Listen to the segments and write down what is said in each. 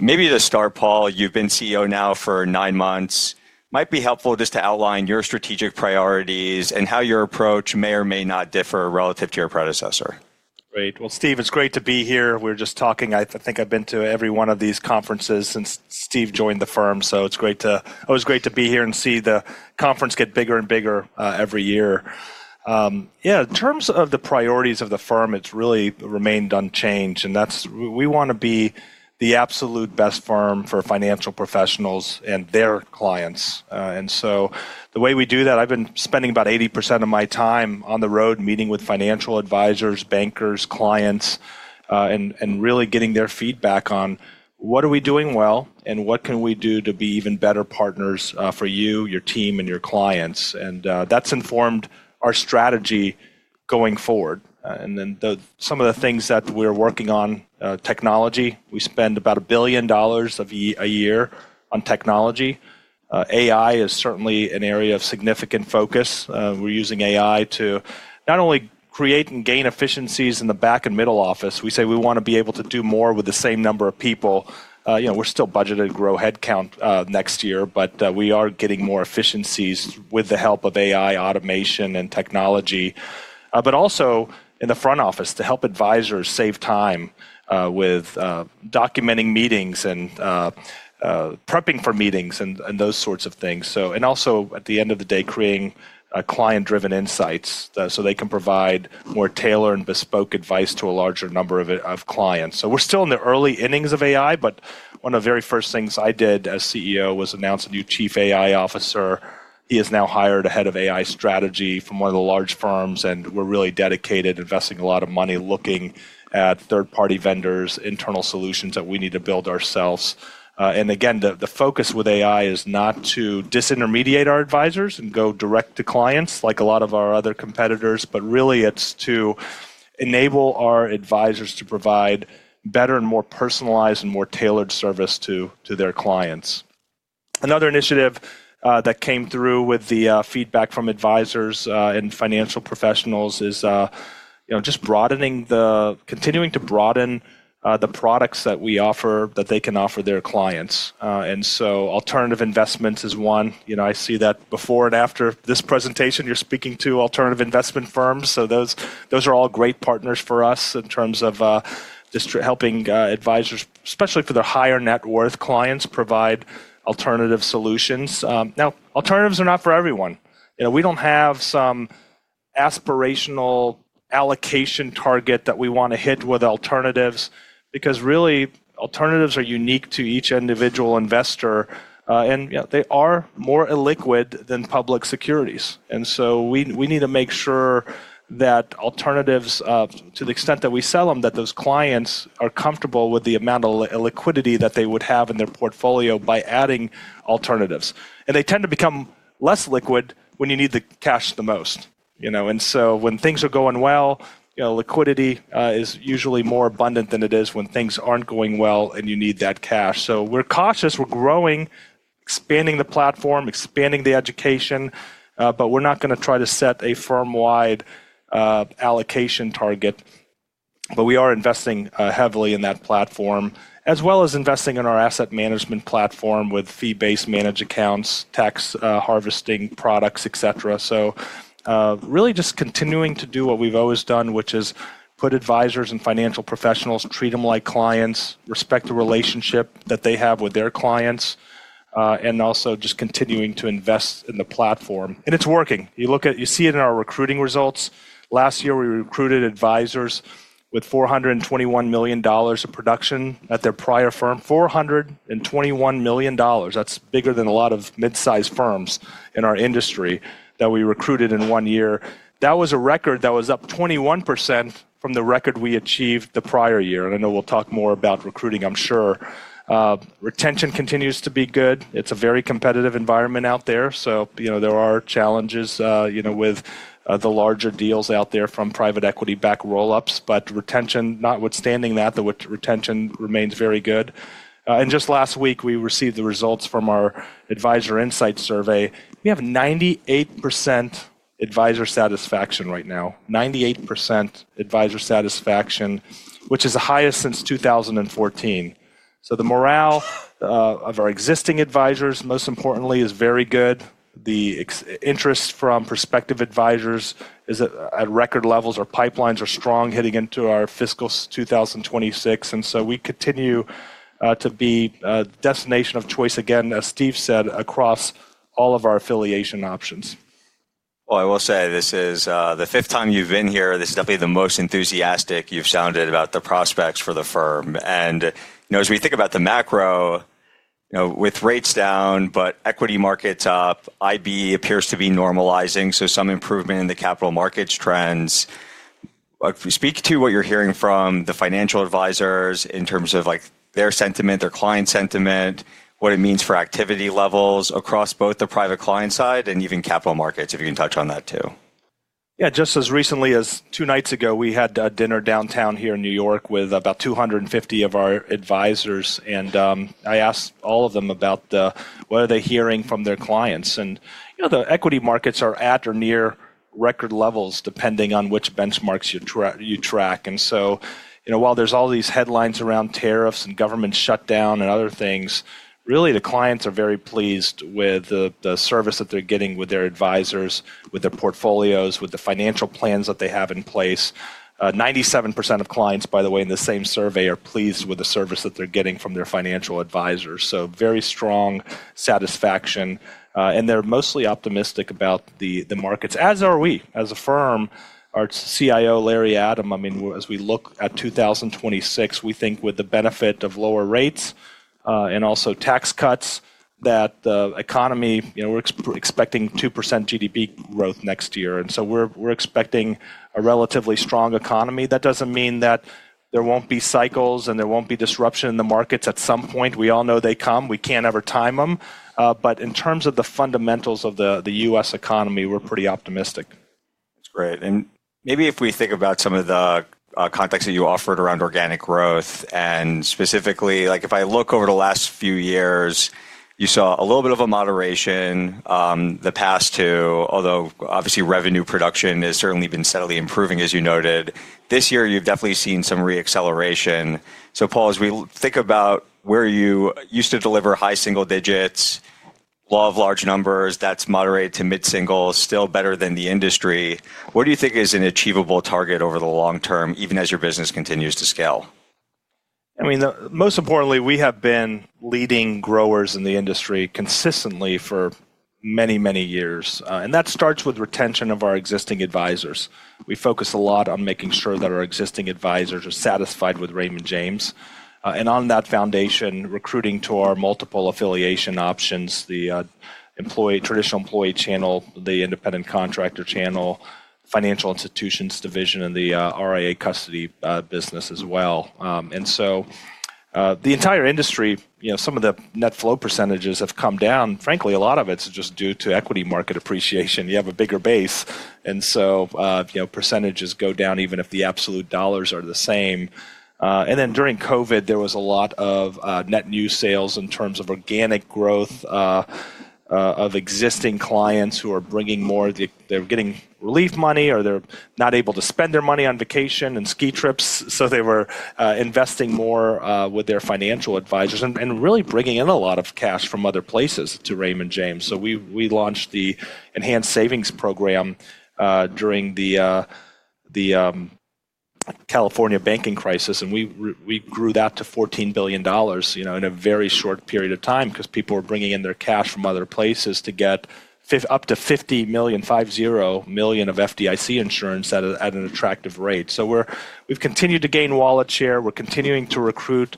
Maybe to start, Paul, you've been CEO now for nine months. Might be helpful just to outline your strategic priorities and how your approach may or may not differ relative to your predecessor. Right. Steve, it's great to be here. We're just talking. I think I've been to every one of these conferences since Steve joined the firm, so it's great to—always great to be here and see the conference get bigger and bigger every year. In terms of the priorities of the firm, it's really remained unchanged, and that's—we want to be the absolute best firm for financial professionals and their clients. And so the way we do that, I've been spending about 80% of my time on the road meeting with financial advisors, bankers, clients, and really getting their feedback on what are we doing well and what can we do to be even better partners for you, your team, and your clients. That's informed our strategy going forward. Some of the things that we're working on—technology. We spend about $1 billion a year on technology. AI is certainly an area of significant focus. We're using AI to not only create and gain efficiencies in the back and middle office. We say we want to be able to do more with the same number of people. We're still budgeted to grow headcount next year, but we are getting more efficiencies with the help of AI, automation, and technology, but also in the front office to help advisors save time with documenting meetings and prepping for meetings and those sorts of things. Also, at the end of the day, creating client-driven insights so they can provide more tailored and bespoke advice to a larger number of clients. So we're still in the early innings of AI, but one of the very first things I did as CEO was announce a new Chief AI Officer. He is now hired ahead of AI strategy from one of the large firms, and we're really dedicated, investing a lot of money, looking at third-party vendors, internal solutions that we need to build ourselves. Again, the focus with AI is not to disintermediate our advisors and go direct to clients like a lot of our other competitors, but really it's to enable our advisors to provide better and more personalized and more tailored service to their clients. Another initiative that came through with the feedback from advisors and financial professionals is just broadening the, continuing to broaden the products that we offer that they can offer their clients. And so Alternative investments is one. I see that before and after this presentation, you're speaking to alternative investment firms. Those are all great partners for us in terms of just helping advisors, especially for their higher net worth clients, provide alternative solutions. Now, alternatives are not for everyone. We do not have some aspirational allocation target that we want to hit with alternatives because really alternatives are unique to each individual investor, and they are more illiquid than public securities. And so we need to make sure that alternatives, to the extent that we sell them, that those clients are comfortable with the amount of liquidity that they would have in their portfolio by adding alternatives. They tend to become less liquid when you need the cash the most. When things are going well, liquidity is usually more abundant than it is when things are not going well and you need that cash. We are cautious. We're growing, expanding the platform, expanding the education, but we're not going to try to set a firm-wide allocation target. We are investing heavily in that platform, as well as investing in our Asset Management platform with Fee-based managed accounts, tax harvesting products, etc. Really just continuing to do what we've always done, which is put advisors and financial professionals, treat them like clients, respect the relationship that they have with their clients, and also just continuing to invest in the platform. It's working. You see it in our recruiting results. Last year, we recruited advisors with $421 million of production at their prior firm. $421 million. That's bigger than a lot of mid-sized firms in our industry that we recruited in one year. That was a record that was up 21% from the record we achieved the prior year. I know we will talk more about recruiting, I am sure. Retention continues to be good. It is a very competitive environment out there. So there are challenges with the larger deals out there from private equity-backed roll-ups, but retention, notwithstanding that, the retention remains very good. Just last week, we received the results from our Advisor Insight survey. We have 98% advisor satisfaction right now. 98% advisor satisfaction, which is the highest since 2014. So the morale of our existing advisors, most importantly, is very good. The interest from prospective advisors is at record levels. Our pipelines are strong, hitting into our fiscal 2026. So we continue to be a destination of choice, again, as Steve said, across all of our affiliation options. This is the fifth time you've been here. This is definitely the most enthusiastic you've sounded about the prospects for the firm. And as we think about the macro, with rates down, but equity markets up, IB appears to be normalizing. Some improvement in the capital markets trends. Speak to what you're hearing from the financial advisors in terms of their sentiment, their client sentiment, what it means for activity levels across both the private client side and even capital markets, if you can touch on that too. Yeah, just as recently as two nights ago, we had dinner downtown here in New York with about 250 of our advisors. I asked all of them about what are they hearing from their clients. And the equity markets are at or near record levels, depending on which benchmarks you track. While there are all these headlines around tariffs and government shutdown and other things, really the clients are very pleased with the service that they're getting with their advisors, with their portfolios, with the financial plans that they have in place. 97% of clients, by the way, in the same survey are pleased with the service that they're getting from their financial advisors. So very strong satisfaction. They're mostly optimistic about the markets, as are we. As a firm, our CIO, Larry Adam, I mean, as we look at 2026, we think with the benefit of lower rates and also tax cuts, that the economy, we're expecting 2% GDP growth next year. We are expecting a relatively strong economy. That does not mean that there will not be cycles and there will not be disruption in the markets at some point. We all know they come. We cannot ever time them. But in terms of the fundamentals of the U.S. economy, we are pretty optimistic. That's great. Maybe if we think about some of the context that you offered around organic growth and specifically, if I look over the last few years, you saw a little bit of a moderation the past two, although obviously revenue production has certainly been steadily improving, as you noted. This year, you've definitely seen some reacceleration. Paul, as we think about where you used to deliver high single digits, love large numbers, that's moderate to mid-single, still better than the industry, what do you think is an achievable target over the long term, even as your business continues to scale? I mean, most importantly, we have been leading growers in the industry consistently for many, many years. That starts with retention of our existing advisors. We focus a lot on making sure that our existing advisors are satisfied with Raymond James. And on that foundation, recruiting to our multiple affiliation options, the Traditional Employee channel, the Independent Contractor channel, Financial Institutions Division, and the RIA Custody business as well. And so the entire industry, some of the net flow percentages have come down. Frankly, a lot of it is just due to equity market appreciation. You have a bigger base, and so percentages go down even if the absolute dollars are the same. During COVID, there was a lot of net new sales in terms of organic growth of existing clients who were bringing more of the—they were getting relief money or they were not able to spend their money on vacation and ski trips. They were investing more with their financial advisors and really bringing in a lot of cash from other places to Raymond James. We launched the Enhanced savings program during the California banking crisis, and we grew that to $14 billion in a very short period of time because people were bringing in their cash from other places to get up to $50 million of FDIC insurance at an attractive rate. We have continued to gain wallet share. We are continuing to recruit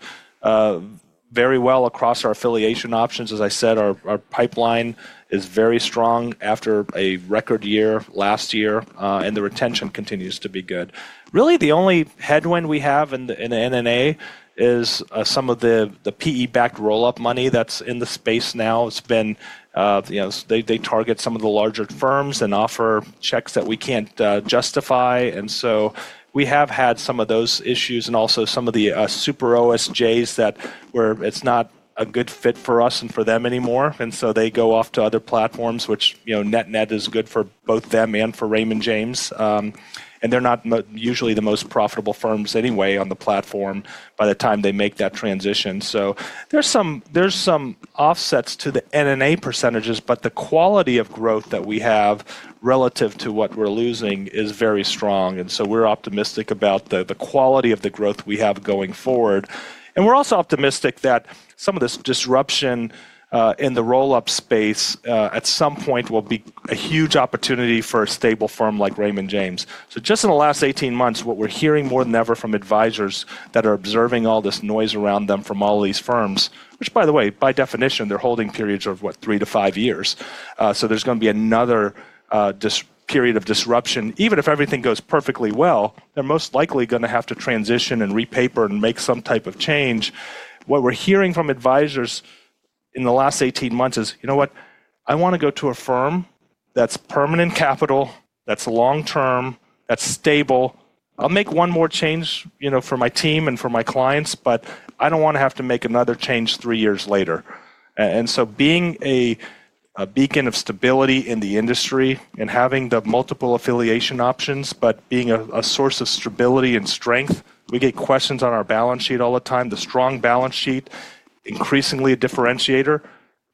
very well across our affiliation options. As I said, our pipeline is very strong after a record year last year, and the retention continues to be good. Really, the only headwind we have in the NNA is some of the PE-backed roll-up money that is in the space now. They target some of the larger firms and offer checks that we cannot justify. And so we have had some of those issues and also some of the super OSJ where it is not a good fit for us and for them anymore. They go off to other platforms, which net-net is good for both them and for Raymond James. They are not usually the most profitable firms anyway on the platform by the time they make that transition. There are some offsets to the NNA percentages, but the quality of growth that we have relative to what we are losing is very strong. We are optimistic about the quality of the growth we have going forward. And we are also optimistic that some of this disruption in the roll-up space at some point will be a huge opportunity for a stable firm like Raymond James. Just in the last 18 months, what we are hearing more than ever from advisors that are observing all this noise around them from all these firms, which, by the way, by definition, their holding periods are, what, three to five years. There is going to be another period of disruption. Even if everything goes perfectly well, they are most likely going to have to transition and repaper and make some type of change. What we are hearing from advisors in the last 18 months is, you know what? I want to go to a firm that is permanent capital, that is long-term, that is stable. I'll make one more change for my team and for my clients, but I don't want to have to make another change three years later. And so being a beacon of stability in the industry and having the multiple affiliation options, but being a source of stability and strength, we get questions on our balance sheet all the time. The strong balance sheet, increasingly a differentiator,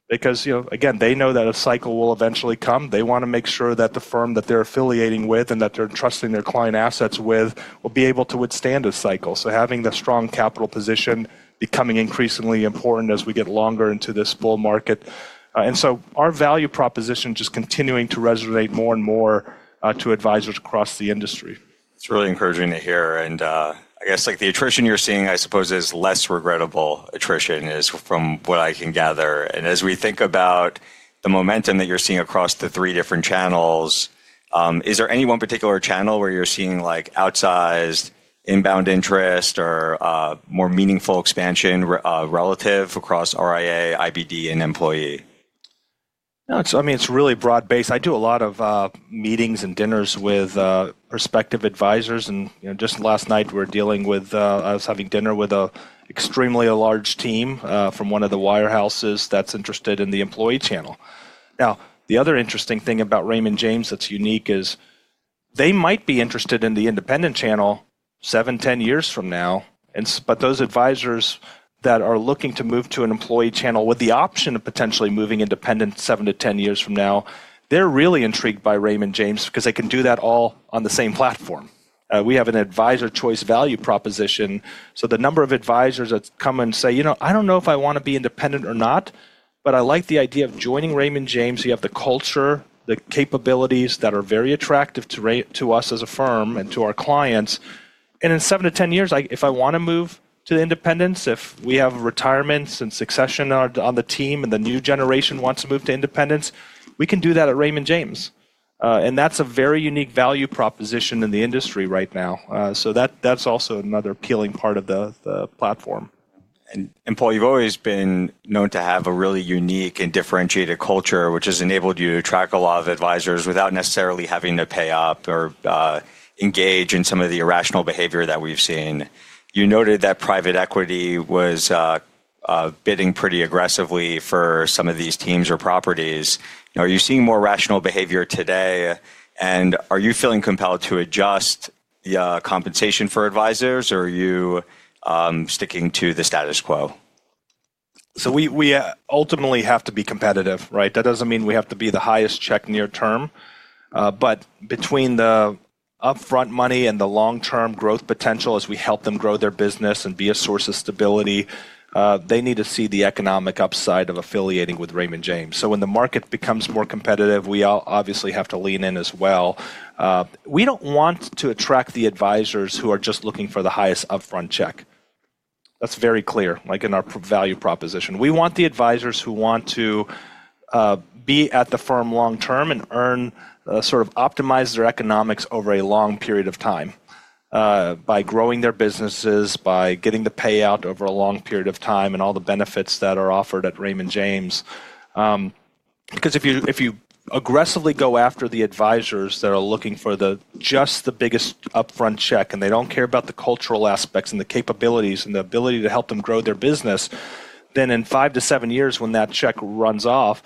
because, again, they know that a cycle will eventually come. They want to make sure that the firm that they're affiliating with and that they're entrusting their client assets with will be able to withstand a cycle. Having the strong capital position becoming increasingly important as we get longer into this bull market. Our value proposition just continuing to resonate more and more to advisors across the industry. It's really encouraging to hear. I guess the attrition you're seeing, I suppose, is less regrettable attrition, is from what I can gather. As we think about the momentum that you're seeing across the three different channels, is there any one particular channel where you're seeing outsized inbound interest or more meaningful expansion relative across RIA, IBD, and employee? I mean, it's really broad-based. I do a lot of meetings and dinners with prospective advisors. Just last night, I was having dinner with an extremely large team from one of the wirehouses that's interested in the employee channel. The other interesting thing about Raymond James that's unique is they might be interested in the independent channel 7-10 years from now. Those advisors that are looking to move to an employee channel with the option of potentially moving independent 7-10 years from now are really intrigued by Raymond James because they can do that all on the same platform. We have an advisor choice value proposition. The number of advisors that come and say, you know, I don't know if I want to be independent or not, but I like the idea of joining Raymond James. You have the culture, the capabilities that are very attractive to us as a firm and to our clients. In 7-10 years, if I want to move to independence, if we have retirements and succession on the team and the new generation wants to move to independence, we can do that at Raymond James. That is a very unique value proposition in the industry right now. That is also another appealing part of the platform. Paul, you've always been known to have a really unique and differentiated culture, which has enabled you to attract a lot of advisors without necessarily having to pay up or engage in some of the irrational behavior that we've seen. You noted that private equity was bidding pretty aggressively for some of these teams or properties. Are you seeing more rational behavior today? And are you feeling compelled to adjust the compensation for advisors, or are you sticking to the status quo? We ultimately have to be competitive, right? That does not mean we have to be the highest check near term. But between the upfront money and the long-term growth potential as we help them grow their business and be a source of stability, they need to see the economic upside of affiliating with Raymond James. So when the market becomes more competitive, we obviously have to lean in as well. We do not want to attract the advisors who are just looking for the highest upfront check. That is very clear, like in our value proposition. We want the advisors who want to be at the firm long term and earn, sort of optimize their economics over a long period of time by growing their businesses, by getting the payout over a long period of time and all the benefits that are offered at Raymond James. Because if you aggressively go after the advisors that are looking for just the biggest upfront check and they do not care about the cultural aspects and the capabilities and the ability to help them grow their business, then in 5-7 years, when that check runs off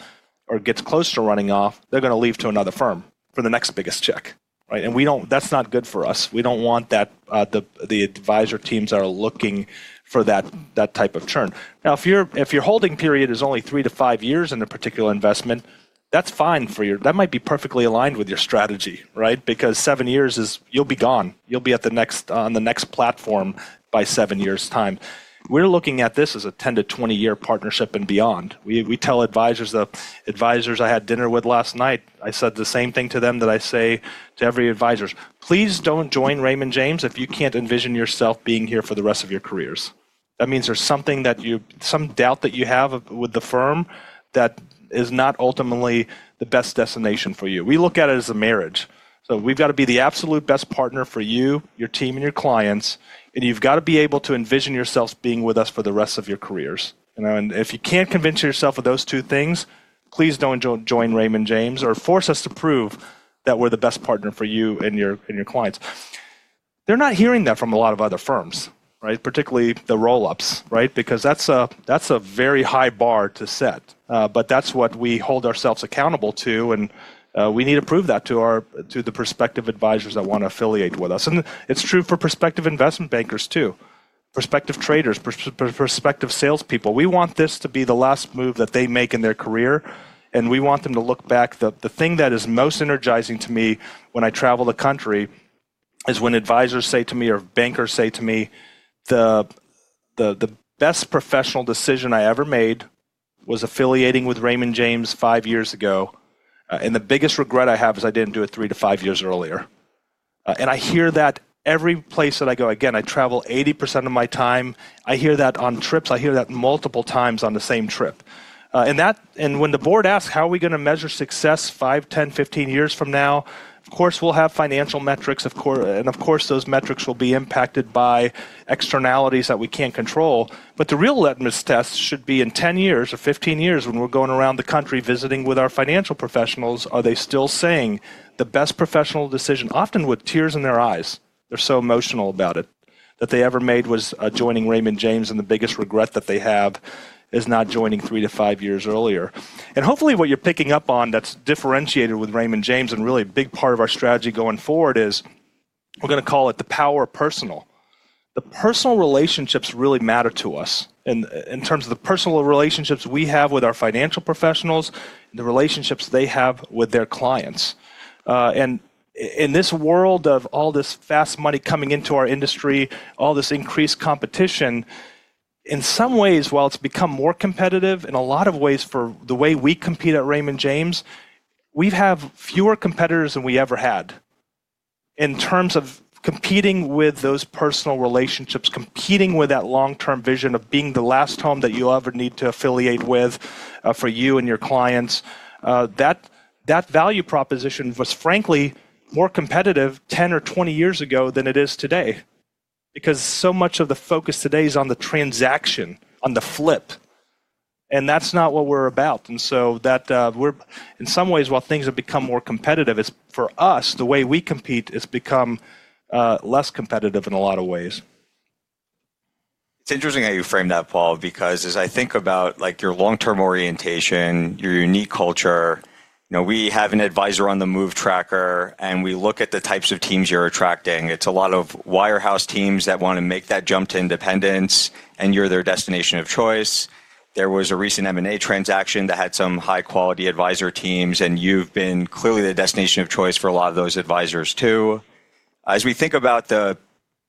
or gets close to running off, they are going to leave to another firm for the next biggest check. That is not good for us. We do not want that. The advisor teams are looking for that type of churn. Now, if your holding period is only 3-5 years in a particular investment, that is fine for you. That might be perfectly aligned with your strategy, right? Because 7 years is you will be gone. You will be on the next platform by seven years' time. We are looking at this as a 10-20 year partnership and beyond. We tell advisors I had dinner with last night, I said the same thing to them that I say to every advisor. Please don't join Raymond James if you can't envision yourself being here for the rest of your careers. That means there's something that you, some doubt that you have with the firm that is not ultimately the best destination for you. We look at it as a marriage. We have got to be the absolute best partner for you, your team, and your clients. You have got to be able to envision yourself being with us for the rest of your careers. If you can't convince yourself of those two things, please don't join Raymond James or force us to prove that we're the best partner for you and your clients. They're not hearing that from a lot of other firms, particularly the roll-ups, because that's a very high bar to set. That is what we hold ourselves accountable to. We need to prove that to the prospective advisors that want to affiliate with us. It is true for prospective investment bankers too, prospective traders, prospective salespeople. We want this to be the last move that they make in their career. We want them to look back. But the thing that is most energizing to me when I travel the country is when advisors say to me or bankers say to me, the best professional decision I ever made was affiliating with Raymond James 5 years ago. The biggest regret I have is I did not do it 3-5 years earlier. I hear that every place that I go. Again, I travel 80% of my time. I hear that on trips. I hear that multiple times on the same trip. When the board asks, how are we going to measure success five, ten, fifteen years from now? Of course, we'll have financial metrics. Of course, those metrics will be impacted by externalities that we can't control. The real litmus test should be in 10 years or 15 years when we're going around the country visiting with our financial professionals, are they still saying the best professional decision, often with tears in their eyes, they're so emotional about it, that they ever made was joining Raymond James and the biggest regret that they have is not joining 3-5 years earlier. Hopefully what you're picking up on that's differentiated with Raymond James and really a big part of our strategy going forward is we're going to call it the power personal. The personal relationships really matter to us in terms of the personal relationships we have with our financial professionals and the relationships they have with their clients. In this world of all this fast money coming into our industry, all this increased competition, in some ways, while it's become more competitive in a lot of ways for the way we compete at Raymond James, we have fewer competitors than we ever had in terms of competing with those personal relationships, competing with that long-term vision of being the last home that you'll ever need to affiliate with for you and your clients. That value proposition was frankly more competitive 10 or 20 years ago than it is today because so much of the focus today is on the transaction, on the flip. That's not what we're about. So that we're, in some ways, while things have become more competitive, it's for us, the way we compete has become less competitive in a lot of ways. It's interesting how you framed that, Paul, because as I think about your long-term orientation, your unique culture, we have an advisor on the move tracker, and we look at the types of teams you're attracting. It's a lot of wirehouse teams that want to make that jump to independence, and you're their destination of choice. There was a recent M&A transaction that had some high-quality advisor teams, and you've been clearly the destination of choice for a lot of those advisors too. As we think about the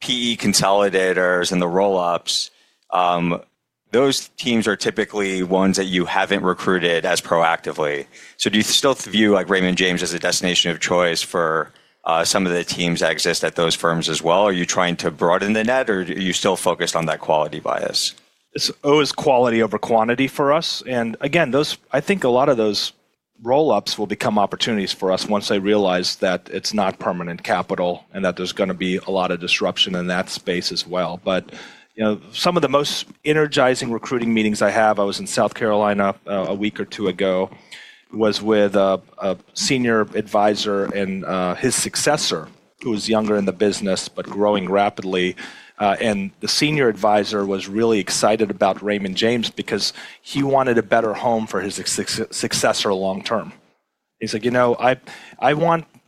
PE consolidators and the roll-ups, those teams are typically ones that you haven't recruited as proactively. Do you still view Raymond James as a destination of choice for some of the teams that exist at those firms as well? Are you trying to broaden the net, or are you still focused on that quality bias? It's always quality over quantity for us. I think a lot of those roll-ups will become opportunities for us once they realize that it's not permanent capital and that there's going to be a lot of disruption in that space as well. But some of the most energizing recruiting meetings I have, I was in South Carolina a week or two ago, was with a senior advisor and his successor, who was younger in the business but growing rapidly. The senior advisor was really excited about Raymond James because he wanted a better home for his successor long-term. He's like, you know,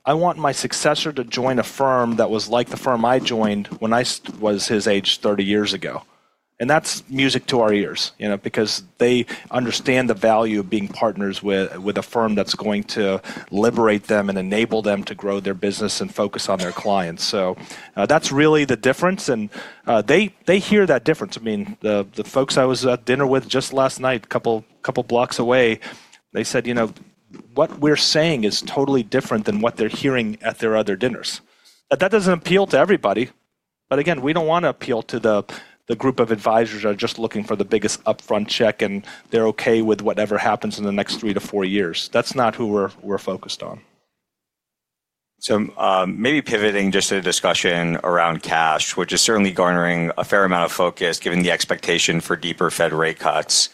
I want my successor to join a firm that was like the firm I joined when I was his age 30 years ago. That is music to our ears because they understand the value of being partners with a firm that is going to liberate them and enable them to grow their business and focus on their clients. That is really the difference. They hear that difference. I mean, the folks I was at dinner with just last night, a couple blocks away, they said, you know, what we are saying is totally different than what they are hearing at their other dinners. That does not appeal to everybody. Again, we do not want to appeal to the group of advisors that are just looking for the biggest upfront check, and they are okay with whatever happens in the next 3-4 years. That is not who we are focused on. Maybe pivoting just to the discussion around cash, which is certainly garnering a fair amount of focus given the expectation for deeper Fed rate cuts.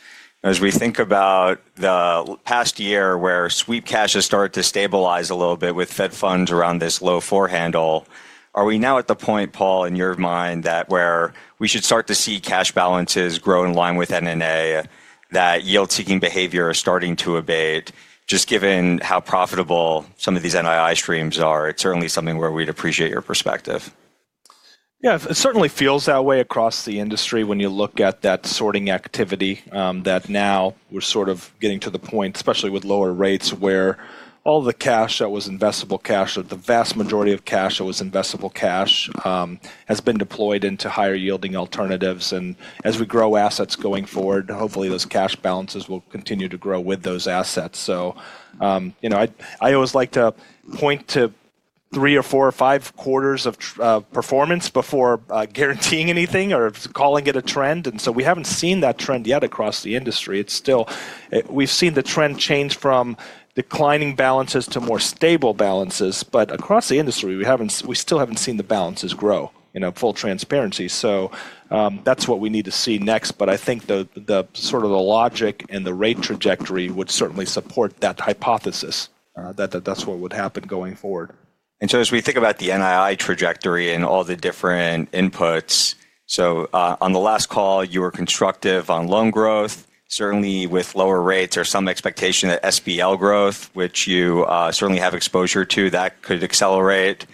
As we think about the past year where sweep cash has started to stabilize a little bit with Fed funds around this low floor handle, are we now at the point, Paul, in your mind where we should start to see cash balances grow in line with M&A, that yield-seeking behavior is starting to abate, just given how profitable some of these NII streams are? It's certainly something where we'd appreciate your perspective. Yeah, it certainly feels that way across the industry when you look at that sorting activity that now we're sort of getting to the point, especially with lower rates, where all the cash that was investable cash, or the vast majority of cash that was investable cash, has been deployed into higher-yielding alternatives. As we grow assets going forward, hopefully those cash balances will continue to grow with those assets. I always like to point to three or four or five quarters of performance before guaranteeing anything or calling it a trend. We haven't seen that trend yet across the industry. We've seen the trend change from declining balances to more stable balances. Across the industry, we still haven't seen the balances grow, you know full transparency. That is what we need to see next. I think the sort of the logic and the rate trajectory would certainly support that hypothesis that that's what would happen going forward. As we think about the NII trajectory and all the different inputs, on the last call, you were constructive on loan growth, certainly with lower rates or some expectation that SBL growth, which you certainly have exposure to, that could accelerate.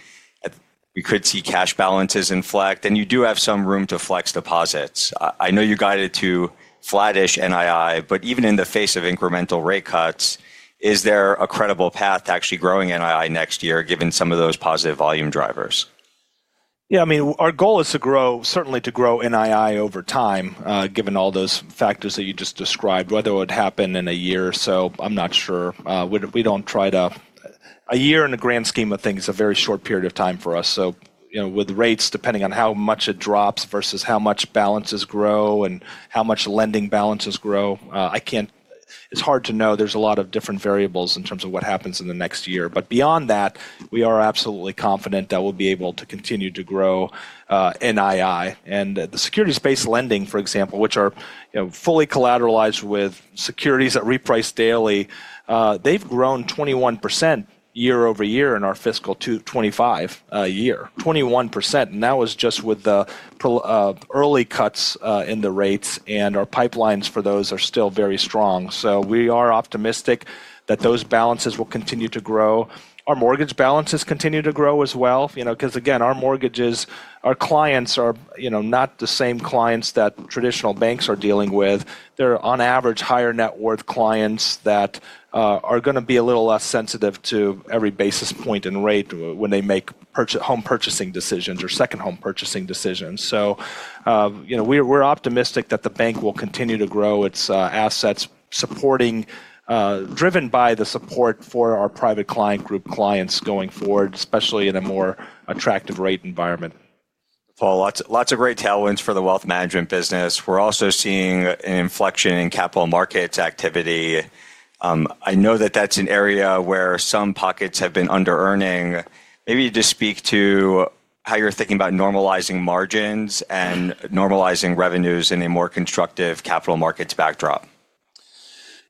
We could see cash balances inflect. You do have some room to flex deposits. I know you guided to flattish NII, but even in the face of incremental rate cuts, is there a credible path to actually growing NII next year given some of those positive volume drivers? Yeah, I mean, our goal is to grow, certainly to grow NII over time, given all those factors that you just described. Whether it would happen in a year or so, I'm not sure. We don't try to, a year in the grand scheme of things is a very short period of time for us. With rates, depending on how much it drops versus how much balances grow and how much lending balances grow, I can't, it's hard to know. There are a lot of different variables in terms of what happens in the next year. Beyond that, we are absolutely confident that we'll be able to continue to grow NII. And the Securities-based lending, for example, which are fully collateralized with securities that reprice daily, they've grown 21% year-over-year in our fiscal 2025 year. 21%, Now that was just with the early cuts in the rates. Our pipelines for those are still very strong. We are optimistic that those balances will continue to grow. Our mortgage balances continue to grow as well. Because again, our mortgages, our clients are not the same clients that traditional banks are dealing with. They are on average higher net worth clients that are going to be a little less sensitive to every basis point in rate when they make home purchasing decisions or second home purchasing decisions. So we are optimistic that the bank will continue to grow its assets, supporting, driven by the support for our Private Client Group clients going forward, especially in a more attractive rate environment. Paul, lots of great tailwinds for the wealth management business. We are also seeing an inflection in capital markets activity. I know that that is an area where some pockets have been under-earning. Maybe you just speak to how you are thinking about normalizing margins and normalizing revenues in a more constructive capital markets backdrop.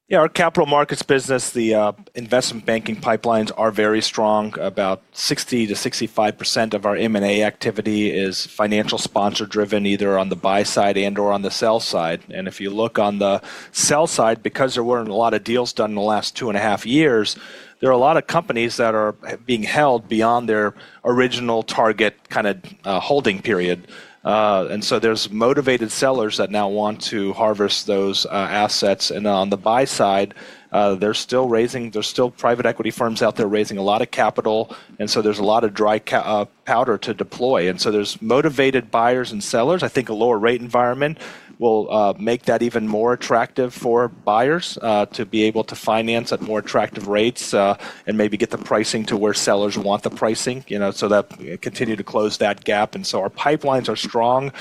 Yeah, our Capital Markets business, the investment banking pipelines are very strong. About 60%-65% of our M&A activity is financial sponsor-driven, either on the buy side and/or on the sell side. If you look on the sell side, because there were not a lot of deals done in the last two and a half years, there are a lot of companies that are being held beyond their original target kind of holding period. There are motivated sellers that now want to harvest those assets. On the buy side, there are still private equity firms out there raising a lot of capital. There is a lot of dry powder to deploy. There are motivated buyers and sellers. I think a lower rate environment will make that even more attractive for buyers to be able to finance at more attractive rates and maybe get the pricing to where sellers want the pricing so that continue to close that gap. Our pipelines are strong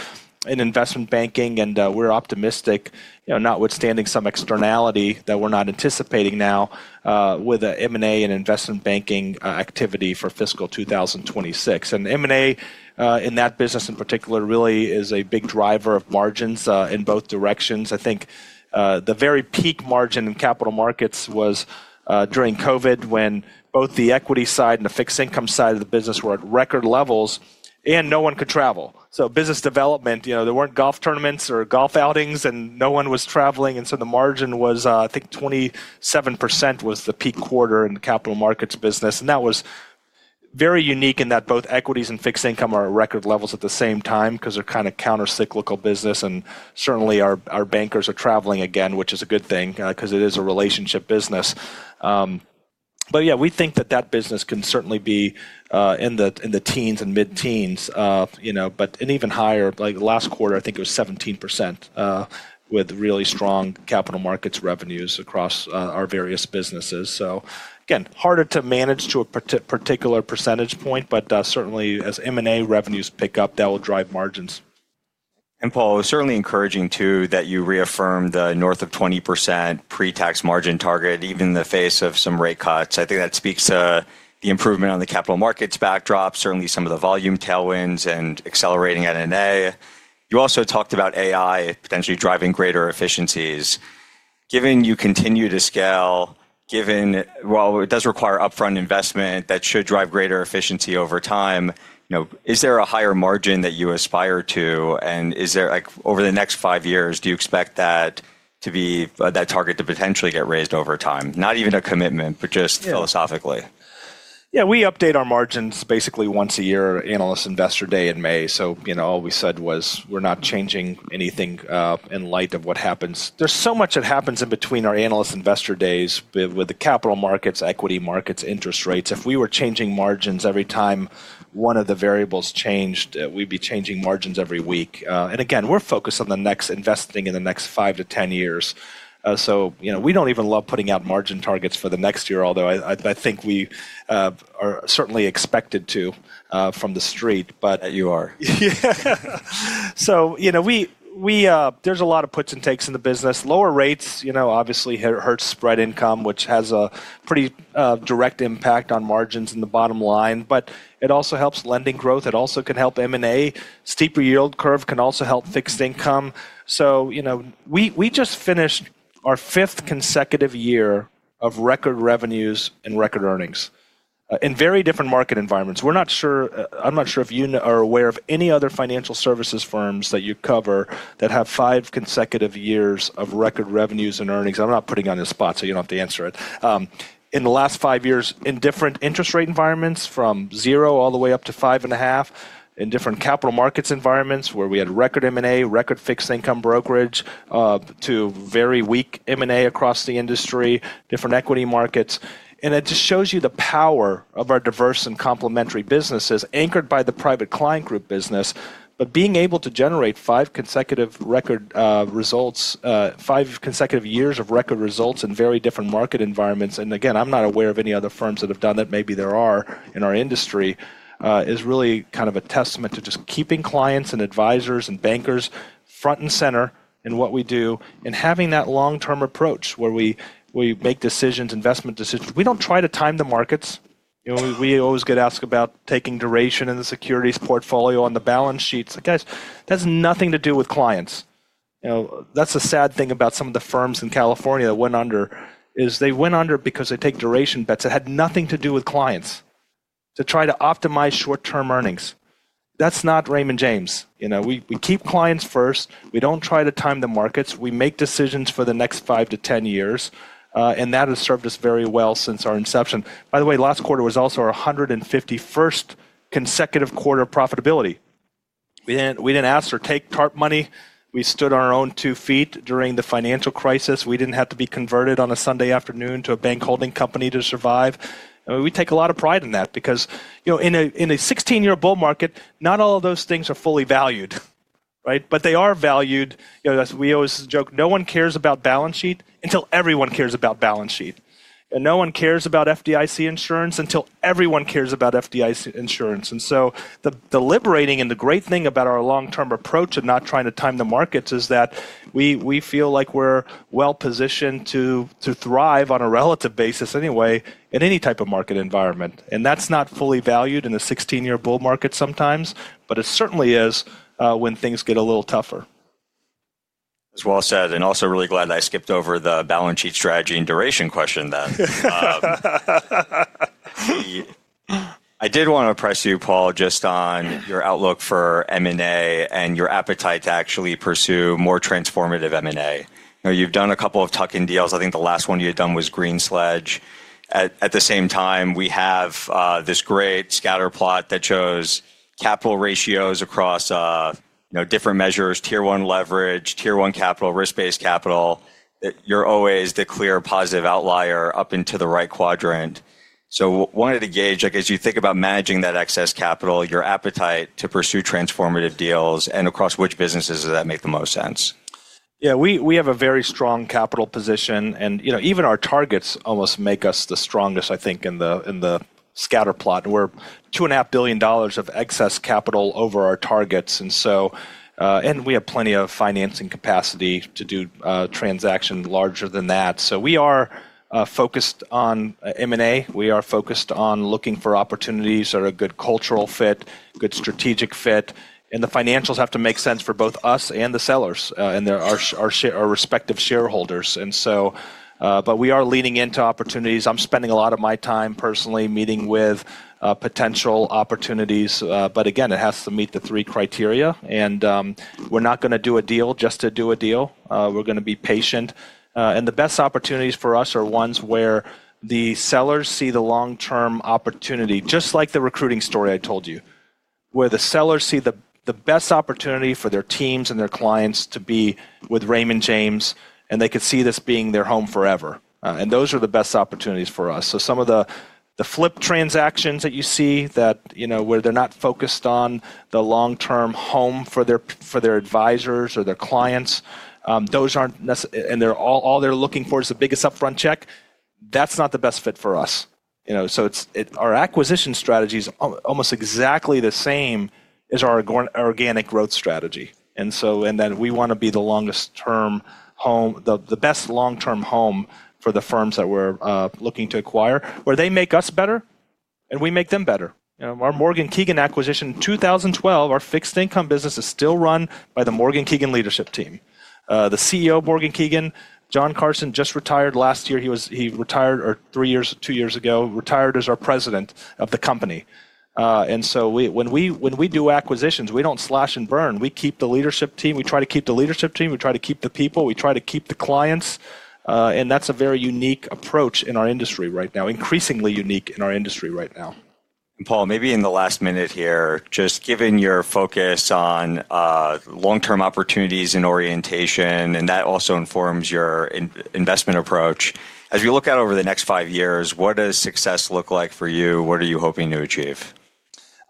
in investment banking. We are optimistic, notwithstanding some externality that we are not anticipating now with M&A and investment banking activity for fiscal 2026. M&A in that business in particular really is a big driver of margins in both directions. I think the very peak margin in capital markets was during COVID when both the equity side and the fixed income side of the business were at record levels and no one could travel. Business development, there were not golf tournaments or golf outings and no one was traveling. The margin was, I think, 27% was the peak quarter in capital markets business. That was very unique in that both equities and fixed income are at record levels at the same time because they are kind of countercyclical business. Certainly our bankers are traveling again, which is a good thing because it is a relationship business. Yeah, we think that that business can certainly be in the teens and mid-teens, but even higher. Last quarter, I think it was 17% with really strong capital markets revenues across our various businesses. Again, harder to manage to a particular percentage point, but certainly as M&A revenues pick up, that will drive margins. Paul, it was certainly encouraging too that you reaffirmed the North of 20% Pre-tax margin target even in the face of some rate cuts. I think that speaks to the improvement on the capital markets backdrop, certainly some of the volume tailwinds and accelerating NNA. You also talked about AI potentially driving greater efficiencies. Given you continue to scale, given, well, it does require upfront investment that should drive greater efficiency over time, is there a higher margin that you aspire to? And is there, over the next 5 years, do you expect that to be that target to potentially get raised over time? Not even a commitment, but just philosophically. Yeah, we update our margins basically once a year, Analyst Investor Day in May. All we said was we're not changing anything in light of what happens. There's so much that happens in between our Analyst Investor Days with the capital markets, equity markets, interest rates. If we were changing margins every time one of the variables changed, we'd be changing margins every week. Again, we're focused on investing in the next 5-10 years. We do not even love putting out margin targets for the next year, although I think we are certainly expected to from the street. But, you are. Yeah. There is a lot of puts and takes in the business. Lower rates, obviously, hurt spread income, which has a pretty direct impact on margins and the bottom line, but it also helps lending growth. It also can help M&A. Steeper yield curve can also help fixed income. We just finished our fifth consecutive year of record revenues and record earnings in very different market environments. I am not sure if you are aware of any other financial services firms that you cover that have five consecutive years of record revenues and earnings. I am not putting you on a spot, so you do not have to answer it. In the last five years, in different interest rate environments from zero all the way up to five and a half, in different capital markets environments where we had record M&A, record fixed income brokerage to very weak M&A across the industry, different equity markets. It just shows you the power of our diverse and complementary businesses anchored by the Private Client Group business, but being able to generate five consecutive record results, five consecutive years of record results in very different market environments. I'm not aware of any other firms that have done that. Maybe there are in our industry. It is really kind of a testament to just keeping clients and advisors and bankers front and center in what we do and having that long-term approach where we make decisions, investment decisions. We do not try to time the markets. We always get asked about taking duration in the securities portfolio on the balance sheets. Guys, that has nothing to do with clients. That's the sad thing about some of the firms in California that went under is they went under because they take duration bets. It had nothing to do with clients to try to optimize short-term earnings. That's not Raymond James. We keep clients first. We don't try to time the markets. We make decisions for the next five to ten years. That has served us very well since our inception. By the way, last quarter was also our 151st consecutive quarter of profitability. We didn't ask for TARP money. We stood on our own two feet during the financial crisis. We didn't have to be converted on a Sunday afternoon to a bank holding company to survive. We take a lot of pride in that because in a 16-year bull market, not all of those things are fully valued, right? They are valued. We always joke, no one cares about balance sheet until everyone cares about balance sheet. No one cares about FDIC insurance until everyone cares about FDIC insurance. The liberating and the great thing about our long-term approach of not trying to time the markets is that we feel like we're well positioned to thrive on a relative basis anyway in any type of market environment. That's not fully valued in a 16-year bull market sometimes, but it certainly is when things get a little tougher. As you said. I am also really glad I skipped over the balance sheet strategy and duration question then. I did want to press you, Paul, just on your outlook for M&A and your appetite to actually pursue more transformative M&A. You have done a couple of tuck-in deals. I think the last one you had done was GreensLedge. At the same time, we have this great scatter plot that shows capital ratios across different measures, tier 1 leverage, tier one capital, risk-based capital. You are always the clear positive outlier up into the right quadrant. So I wanted to gauge, as you think about managing that excess capital, your appetite to pursue transformative deals and across which businesses does that make the most sense? Yeah, we have a very strong capital position. Even our targets almost make us the strongest, I think, in the scatter plot. We're $2.5 billion of excess capital over our targets. We have plenty of financing capacity to do transactions larger than that. We are focused on M&A. We are focused on looking for opportunities that are a good cultural fit, good strategic fit. The financials have to make sense for both us and the sellers and our respective shareholders. But we are leaning into opportunities. I'm spending a lot of my time personally meeting with potential opportunities. Again, it has to meet the three criteria. And we are not going to do a deal just to do a deal. We are going to be patient. The best opportunities for us are ones where the sellers see the long-term opportunity, just like the recruiting story I told you, where the sellers see the best opportunity for their teams and their clients to be with Raymond James. They could see this being their home forever. Those are the best opportunities for us. Some of the flip transactions that you see where they're not focused on the long-term home for their advisors or their clients, and all they're looking for is the biggest upfront check, that's not the best fit for us. Our acquisition strategy is almost exactly the same as our organic growth strategy. And so we want to be the longest-term home, the best long-term home for the firms that we're looking to acquire where they make us better and we make them better. Our Morgan Keegan acquisition in 2012, our fixed income business is still run by the Morgan Keegan leadership team. The CEO of Morgan Keegan, John Carson, just retired last year. He retired two years ago, retired as our president of the company. And so when we do acquisitions, we do not slash and burn. We keep the leadership team. We try to keep the leadership team. We try to keep the people. We try to keep the clients. And that is a very unique approach in our industry right now, increasingly unique in our industry right now. Paul, maybe in the last minute here, just given your focus on long-term opportunities and orientation, and that also informs your investment approach, as we look out over the next five years, what does success look like for you? What are you hoping to achieve?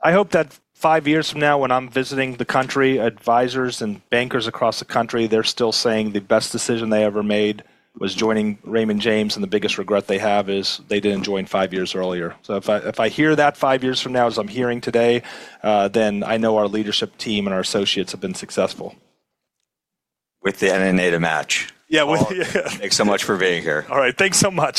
I hope that five years from now, when I'm visiting the country, advisors and bankers across the country, they're still saying the best decision they ever made was joining Raymond James. The biggest regret they have is they didn't join five years earlier. If I hear that five years from now as I'm hearing today, then I know our leadership team and our associates have been successful. With the NNA to match. Yeah. Thanks so much for being here. All right. Thanks so much.